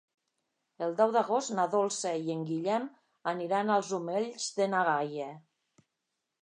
El deu d'agost na Dolça i en Guillem aniran als Omells de na Gaia.